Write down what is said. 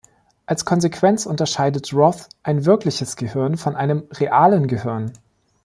Als Konsequenz unterscheidet Roth ein "wirkliches Gehirn" von einem "realen Gehirn".